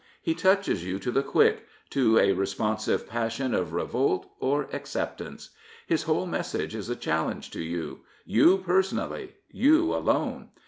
He touches you to the quick — ^to a responsive passion of revolt or acceptance. His whole message is a challenge to you — you personally, you alone.